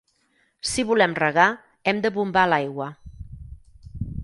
Si volem regar, hem de bombar l'aigua.